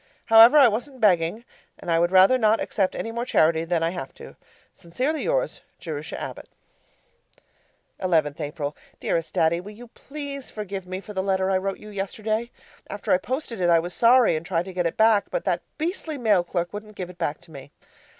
However, I wasn't begging! And I would rather not accept any more charity than I have to. Sincerely yours, Jerusha Abbott 11th April Dearest Daddy, Will you please forgive me for the letter I wrote you yesterday? After I posted it I was sorry, and tried to get it back, but that beastly mail clerk wouldn't give it back to me.